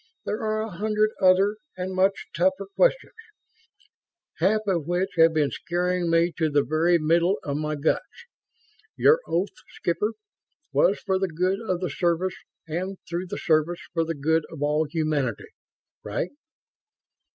There are a hundred other and much tougher questions, half of which have been scaring me to the very middle of my guts. Your oath, Skipper, was for the good of the Service and, through the Service, for the good of all humanity. Right?"